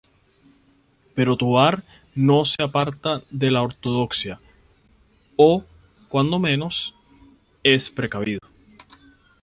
Pero Tovar no se aparta de la ortodoxia o, cuando menos, es precavido.